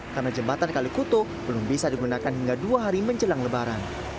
karena jembatan kalikuto belum bisa digunakan hingga dua hari menjelang lebaran